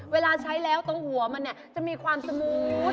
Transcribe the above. เวลาใช้แล้วตรงหัวมันเนี่ยจะมีความสมูท